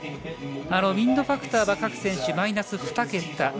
ウィンドファクターは各選手、マイナス２桁。